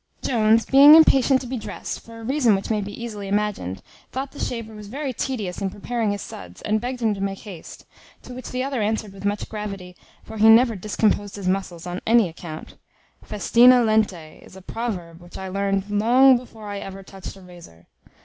Jones being impatient to be drest, for a reason which may be easily imagined, thought the shaver was very tedious in preparing his suds, and begged him to make haste; to which the other answered with much gravity, for he never discomposed his muscles on any account, "Festina lente, is a proverb which I learned long before I ever touched a razor."